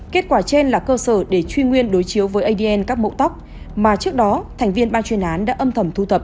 kết quả trên là cơ sở để truy nguyên đối chiếu với adn các mẫu tóc mà trước đó thành viên ban chuyên án đã âm thầm thu thập